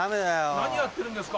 何やってるんですか。